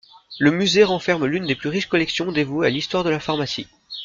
Le musée renferme l’une des plus riches collections dévouées à l’histoire de la pharmacie.